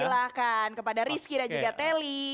silahkan kepada rizky dan juga teli